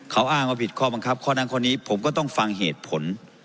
เขาอ้างว่าผิดข้อบังคับข้อนั้นข้อนี้ผมก็ต้องฟังเหตุผล